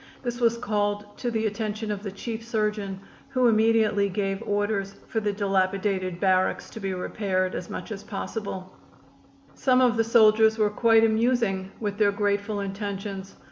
This was called to the attention of the chief surgeon, who immediately gave orders for the dilapidated barracks to be repaired as much as possible. [Illustration: MULVANEY'S "SHERIDAN'S RIDE."] Some of the soldiers were quite amusing with their grateful intentions.